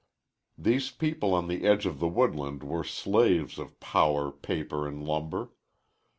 These people on the edge of the woodland were slaves of power, paper, and lumber.